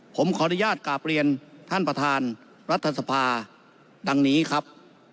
ผมขออนุญาตกราบเรียนท่านประธานรัฐสภาดังนี้ครับ